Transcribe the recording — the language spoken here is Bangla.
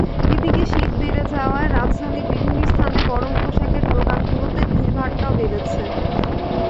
এদিকে শীত বেড়ে যাওয়ায় রাজধানীর বিভিন্ন স্থানে গরম পোশাকের দোকানগুলোতে ভিড়-ভাট্টাও বেড়েছে।